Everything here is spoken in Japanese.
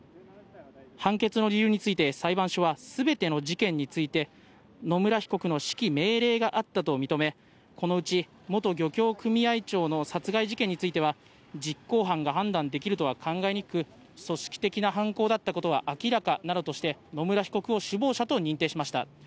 判決の理由について、裁判所はすべての事件について、野村被告の指揮命令があったと認め、このうち元漁協組合長の殺害事件については、実行犯が判断できるとは考えにくく、組織的な犯行だったことは明らかなどとして、野村被告を首謀者と認定しました。